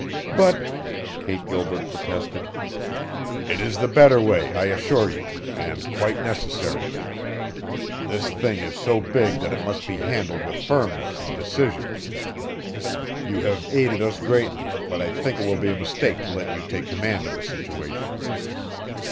"But " Kate Gilbert protested. "It is the better way, I assure you and quite necessary. This thing is so big that it must be handled with firmness and decision. You have aided us greatly, but I think it will be a mistake to let you take command of the situation."